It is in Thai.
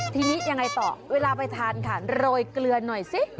ทีนี้ยังไงต่อเวลาไปทานค่ะโรยเกลือหน่อยสิ